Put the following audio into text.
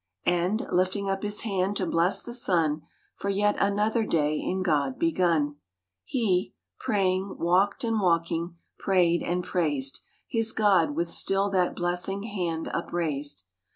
And, lifting up his hand to bless the sun For yet another day in God begun, He, praying, walked, and walking, prayed and praised His God with still that blessing hand upraised.